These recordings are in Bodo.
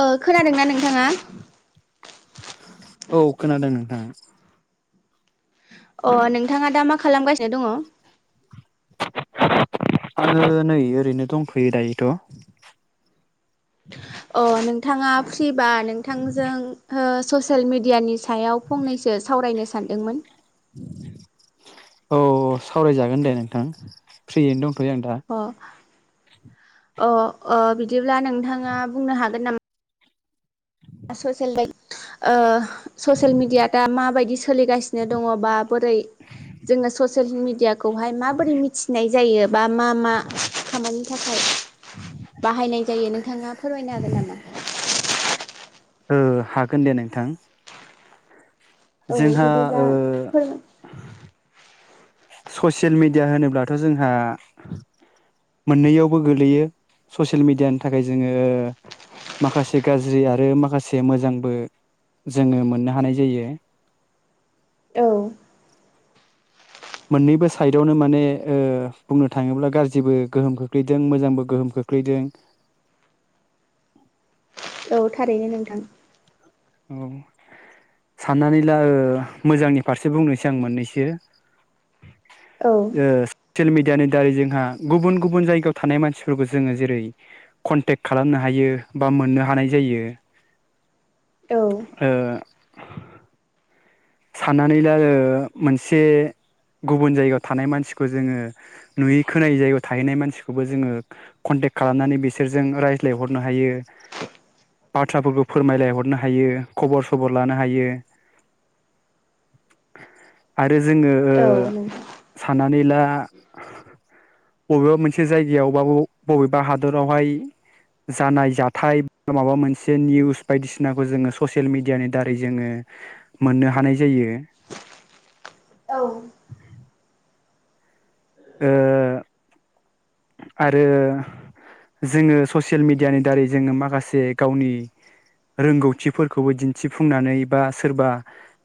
ओ खोनादोंना नोंथाङा? होम अ नोंथाङा दा मा खालामगासिनो दङ? आङो नै ओरैनो दंथयो दायोथ। [inaudible] अ नोंथाङा फ्रिबा नोंथांजों ओ ससियेल मिडियानि सा सायाव फंनैसो सावरायनो सानदोंमोन। अ सावरायजागोन दे नोंथां फ्रियैनो दं। अ अ अ बिदिब्ला नोंथाङा बुंनो हागोन ना ससेेल बायदि ओह ससियेल मिडिया दा माबायदि सोलिगासिनो दङबा बोरै जोङो ससियेल मिडि खौहाय माबोरै मिथिनाय जायो बा मा मा खामानिनि थाखाय। बाहायनाय जायो नोंथाङा फोरमायनो हागोन नामा? ओह हागोन दे नोंथां। औ जोंहा बिदिब्ला ओ फोरमाय ससियेल मिडिया होनोब्लाथ' जोंहा मोननैयावबो गोलैयो ससियेल मिडियानि थाखाय जोङो माखासे गाज्रि आरो माखासे मोजांबो जोङो मोननो हानाय जायो। औ मोननैबो साइडआवनो माने ओह बुंनो थाङोब्ला गाज्रिबो गोहोम खोख्लैदों मोजांबो गोहोम खो खोख्लैदों [inaudible] औ थारैनो नोंथां। औ साननानै ला ओ मोजांनि फारसे बुंनोसै आं मोननैसो। औ ओ ससियेल मिडिया यानो दारै जोंहा गुबुन गुबुन जायगायाव थानाय मानसिफोरखौ जोङो जेरै कन्टेक्ट खालामनो हायो। बा मोननो हानाय जायो औ ओ साननानैला ओ मोनसे गुबुन जायगायाव थानाय मानसिखौ जोङो नुयै खोनायै जायगायाव थाहैनाय मानसिखौबो जोङो ट्क खालामनानै बिसोरजों रायज्लायहरनो हायो। बाथ्राफोरखौ फोरमायलायहरनो हायो खबर सबर लानो हायो। आरो जोङो ओ औ नोंथां साननानै ला बबेबा मोनसे जायगायावबा बबेबा हादरावहाय जानाय जाथाय बा माबा मोनसे निउस बायदिसिनाखौ जोङो ससियेल मिडियानि दारै जोङो मोननो हानाय जायो। औ ओ आरो जोङो ससियेल मिडियानि दारै जोङो माखासे गावनि रोंगौथिफोरखौबो दिन्थिफुंनानै बा सोरबा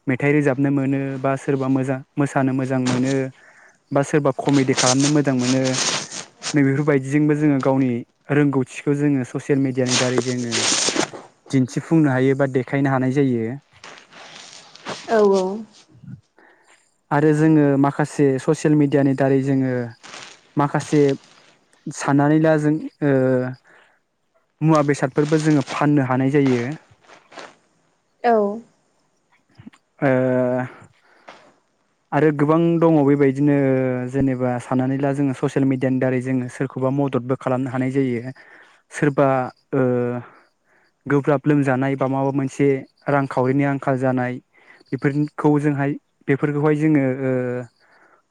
मेथाइ रोजाबनो मोनो बा सोरबा बा मोजा मोसानो मोजां मोनो बा सोरबा कमेडि खालामनो मोजां मोनो। नै बेेफोरबायायदिजोंबो जोङो गावनि रोंगौथिखौ जोङो ससियेल मिेडियानि दारै जोङो दिन्थिफुंनो हायो बा देखायनो हानाय जायो। औ औ आरो जोङो माखासे ससियेल मिडियानि दारै जोङो माखासे साननानै ला जों ओ मुवा बेसादफोरबो जोङो फाननो हानाय जायो। औ ओ आरो गोबां दङ बेबायदिनो जेनेबा साननानै ला जोङो ससियेल मिडियानि दारै जोङो सोरखौबा मददबो खालामनो हानाय जायो सोरबा ओ गोब्राब लोमजानाय बा माबा मोनसे रांखावरिनि आंखाल जानाय। बेफोरनि खौ जोंहाय बेफोरखौहाय जोङो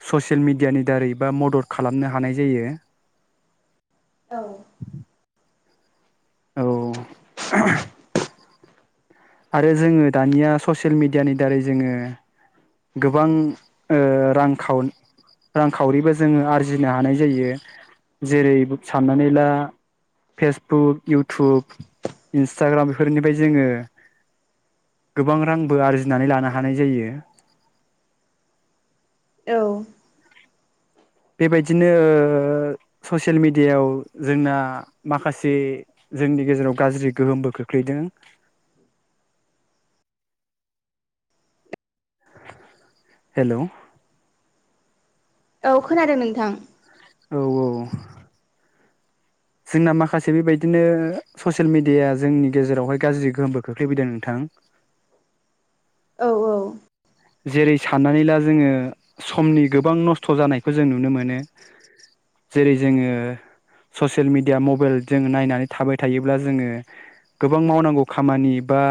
ससियेल मिडियानि दारैबा मदद खालामनो हानाय जायो। औ औ आरो जोङो दानिया ससियेल मिडियानि दारै जोङो गोबां रां खाव रांखावरिबो जोङो आरजिनो हानाय जायो जेरै साननानै ला फेसबुक इउटुब इन्सटाग्राम बेफोरनिफ्राय जोङो गोबां रांबो आरजिनानै लानो हानाय जायो। [inaudible] औ बेबायदिनो ओ ससियेल मिडियायाव जोंना माखासे जोंनि गेजेराव गाज्रि गोहोमबो खोख्लै दों। हेलौ औ खोनादों नोंथां। औ औ जोंना माखासे बेबायदिनो ससियेल मिडियााया जोंनि गेजेरावहाय गाज्रि गोहोमबो खोख्लैबोदों नोंथां। [inaudible] औ औ जेरै साननानै ला जोङो समनि गोबां नस्थ' जानायखौ जों नुनो मोनो। जेरै जोङो ससियेल मिडिया मबाइल जो नायनानै थाबाय थायोब्ला जोङो गोबां मावनांगौ खामानि बा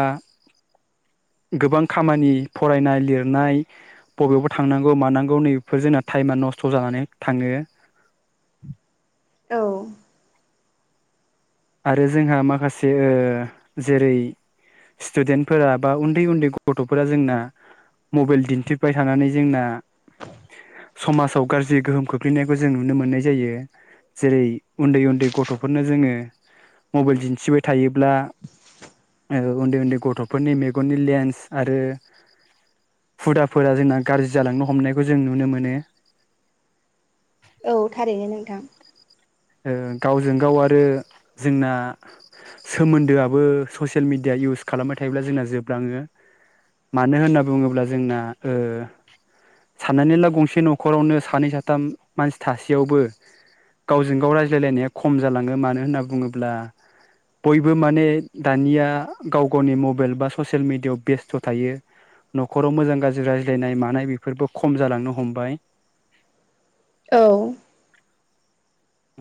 गोबां खामानि फरायनाय लिर नाय बबेयावबा थांनांगौ मानांगौ नैबेफोर जोंना टाइमा नस्थ' जानानै थाङो। [unintelligible] औ। आरो जोंहा माखासे ओ जेरै स्टुडेन्टफोरा बा उन्दै उन्दै गथ'फोरा जोंना मबाइल दिन्थिबाय थानानै जोंना समाजाव गाज्रि गोहोम खोख्लैनायखौ जों नुनो मोननाय जायो। जेरै उन्दै उन्दै गथ'फोरनो जोङो मबाइल दिन्थिबाय थायोब्ला उन्दै उन्दै गथ'फोरनि मेगननि लेन्स आरो हुदाफोरा जोंना गाज्रि जालांनो हमनायखौ जों नुनो मोनो। औ थारैनो नोंथां। ओ गावजों गाव आरो जोंना सोमोन्दोआबो ससियेल मिडिया। इउस खालामबाय थायोब्ला जोंना जोबलाङो। मानो होनना बुङोब्ला जोंना ओ साननानै ला गंसे न'खरावनो सानै साथाम मानसि थासेयावबो गाव गावजों गाव रायज्लायलायनाया खम जालाङो मानो होनना बुङोब्ला बयबो माने दानिया गाव गावनि मबाइल बा ससियेल मिडियाआव बेस्थ' थायो। न'खराव मोजां गाज्रि रायज्लायनाय मानाय बेफोरबो खम जालांनो हमबाय। औ।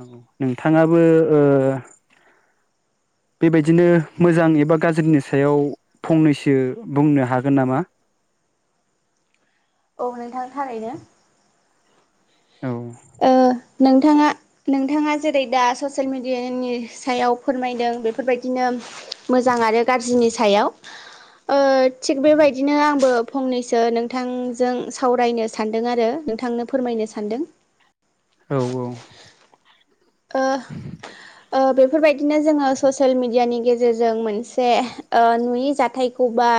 औ नोंथाङाबो ओ बेबायदिनो मोजां एबा गाज्रिनि सायाव फंनैसो बुंनो हागोन नामा? [unintelligible] औ नोंथां थारैनो। औ। ओ नोंथाङा नोंथाङा जेरै दा ससियेल मेडियानि सायाव फोरमायदों बेफोरबायदिनो मोजां आरो गाज्रिनि सायाव ओ थिग बेबायदिनो आंबो फंनैसो नोंथांजों सावरायनो सानदों आरो। नोंथांनो फोरमायनो सान्दों। औ औ। ओ ओ बेफोरबायदिनो जोङो ससियेल मिडियानि गेजेरजों मोनसे जे ओ नुयि जाथाय। खौबा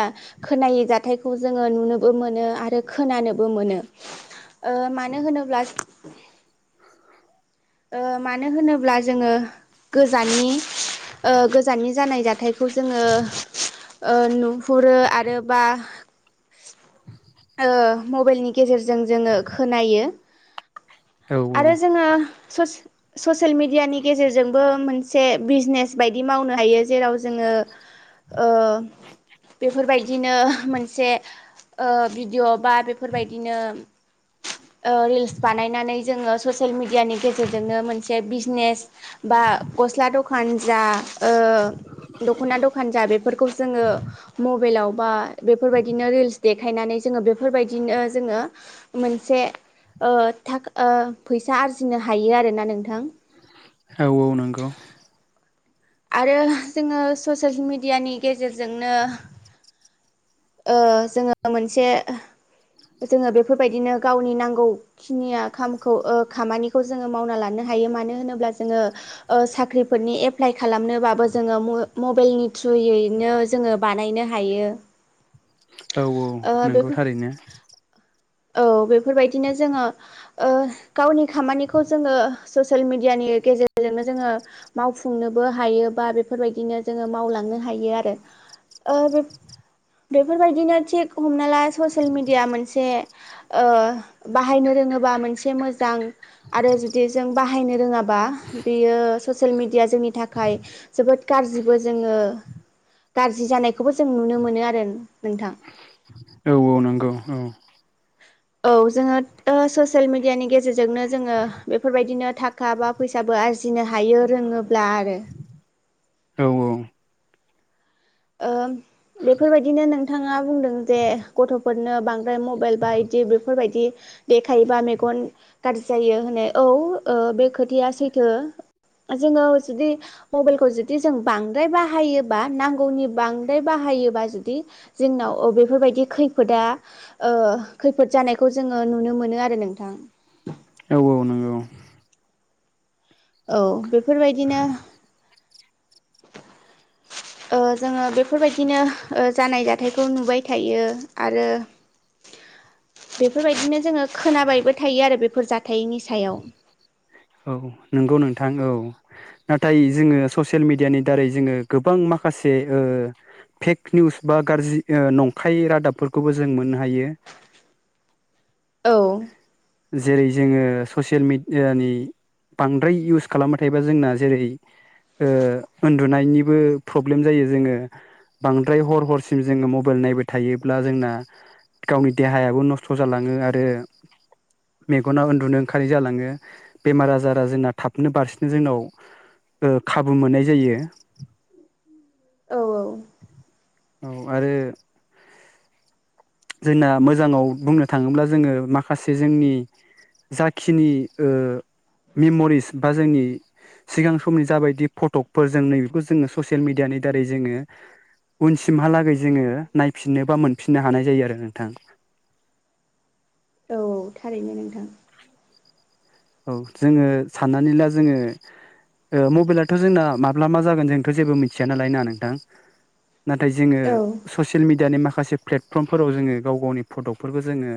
खोनायै जाथायखौ जोङो नुनोबो मोनो आरो खोनानोबो मोनो। ओ मानो होनोब्ला ओ मानो होनोब्ला जोङो गोजाननि ओ गोजाननि जानाय जाथायखौ जोङो ओ नुहुरो आरो बा ओ मबाइलनि गेजेरजों जोङो खोनायो। औ औ। ससेल मिदियानि गेजेरजोंबो मोनसे बिजिनेस बायदि मावनो हायो। जेराव जोङो ओ बेफोरबायदिनो मोनसे ओ भिडिअ' बा बेफोरबायदिनो ओ रिल्स बानायनानै जोङो ससियेल मिडियानि गेजेरजोंनो मोनसे बिजिनेस बा गस्ला दखान जा ओ दख'ना दखान जा बेफोरखौ जोङो मबाइलाव बा बेफोरबायदिनो रिल्स देखायनानै जोङो बेफोरबायदिनो जोङो मोनसे ओ थाख ओ फैसा आरजिनो हायो आरोना नोंथां । औ औ नंगौ। आरो जोङो ससियेल मिडियानि गेजेरजोंनो ओ जोङो मोनसे जोङो बेफोरबायदिनो गावनि नांगौखिनिया खामखौ खामानिखौ जोङो मावना लानो हायो मानो होनोब्ला जोङो ओ साख्रिफोरनि एप्लाइ खालामनोबाबो जोङो म-मबेइलनि थ्रु यैनो जोङो बानायनो हायो। औ औ ओ नोंगौ बेफोर थारैनो। औ बेफोरबायदिनो जोङो ओ गावनि खामानिखौ जोङो ससियेल मिडियानि गेजेरजोंनो जोङो मावफुंनोबो हायो बा बेफोरबायदिनो जोङो मावलांनो हायो आरो। ओ बेफ [inaudible] बेफोरबायदिनो थिग हमना ला ससियेल मिडिया मोनसे ओ बाहायनो रोङोबा मोनसे मोजां आरो जुदि जों बाहायनो रोङाब बा बेयो ससेेइल मिडिया जोंनि थाखाय जोबोद गाज्रिबो जोङो गाज्रि जानायखौबो जों नुनो मोनो आर औ औ नोंगौ औ। औ जोङो ओ सोसेल मिडियानि गेजेरजोंनो जोङो बेफोरबायदिनो थाखा बा फैसाबो आरजिनो हायो रोङोब्ला आरो। औ औ। ओ बेफोरबायदिनो नोंथाङा बुंदों जे गथ'फोर नो बांद्राय मबाइल बा इदि बेफोरबायदि देखायोबा मेगन गाज्रि जायो होनो औ [unintelligible] ओ बे खोथाया सैथो जोङो जुदि मबाइलखौ जुदि जों बांद्राय बाहायोबा नां गौनि बांद्राय बाहायोबा जुदि जोंनाव ओ बेफोरबायदि खैफोदा ओ खैफोद जानायखौ जोङो नुनो मोनो आरो नोंथां। औ औ नोंगौ। औ बेफोरबायदिनो ओ जोङो बेफोरबायदिनो ओ जानाय जाथायखौ नुबाय थायो आरो [inaudible] बेफोरबायदिनो जोङो खोनाबायबो थायो आरो बेफोर जाथ [inaudible] औ नंगौ नों थां औ नाथाय जोङो ससियेल मेडियानि दारै जोङो गोबां माखासे ओ फेक निउस बा गाज्रि ओ नंखाय रादाबफोरखौबो जों मोननो हायो। औ [inaudible] जेरै जोङो ससियेल मिडियानि बांद्राय इउस खालामबाय थायोबा जोंना जेरै ओ उन्दुनायनिबो प्रब्लेम जायो जोङो बांद्राय हर हरसिम जोङो मबाइल नायबाय थायोब्ला जोंना गावनि देहायाबो नस्थ' जालाङो आरो मेगना उन्दुनो ओंखारि जालाङो बेमार आजारा जोंना थाबनो बारसिनो जोंनाव ओ खाबु मोननाय जायो। औ औ आरो जोंना मोजाङाव बुंनो थाङोब्ला जोङो माखासे जोंनि जाखिनि ओ मेम'रिस बा जोंनि सिगां समनि जाबायदि फटकफोर जों नैबेखौ जोङो ससियेल मिडियानि दारै जोङो उनसिमहालागै जोङो नायफिननो बा मोनफिननो हानाय जायो आरो नोंथां। औ औ थारैनो नोंथां। [inaudible] औ जोङो साननानै ला जोङो ओ मबाइलाथ' जोंना माब्ला मा जागोन जोंथ' जेबो मिथिया नालाय ना नोंथां? नाथाय जोङो औ ससियेल मिड मियानि माखासे प्लेटफर्मफोराव जोङो गाव गावनि फटक'फोरखौ जोङो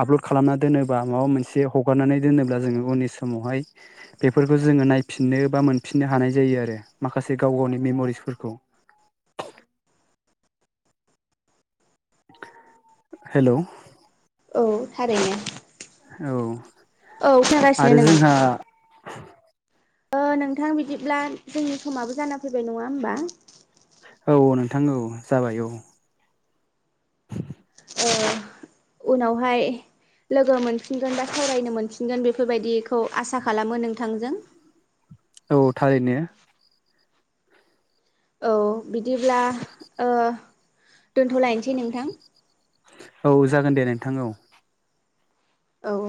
आपल'ड खालामनानैना दोनोबा माबा मोनसे एसे हगारनानै दोनोब ब्ला जोङो उननि समावहाय बेफोरखौ जोङो नायफिननो बा मोनफिनो हानाय जायो आरो माखसे गाव गाव गावनि मेम'रिसफोरखौ। हेल'। औ थारैनो। औ औ खोनागासिनो आरो जोंहा। नोंथां ओ नोंथां बिदिब्ला जोंनि समाबो जाना फैबाय नङा होमबा। औ नोंथां औ जाबाय औ। ओ उनावहाय। लोगो मोनफिनगोन बा सावरायनो मोनफिनगोन बेफोरबायदिखौ आसा खालामो नोंथांजों। औ थारैनो। औ बिदिब्ला ओ दोनथ'लायनोसै नोंथां। औ जागोन दे नोंथां औ। औ औ।